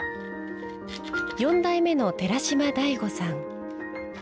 四代目の寺島大悟さん。